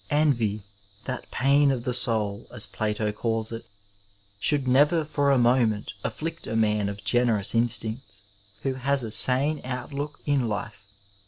Envy, that pain of the soul, as Plato calls, it, should never fora moment afflict a man of generous instincts who has a sane outlook in life.